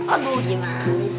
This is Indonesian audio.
aduh gimana sih